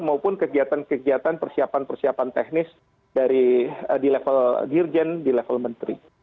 maupun kegiatan kegiatan persiapan persiapan teknis di level dirjen di level menteri